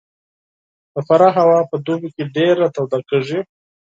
د فراه هوا په دوبي کې ډېره توده کېږي